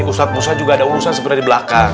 ustadz musa juga ada urusan sebenarnya di belakang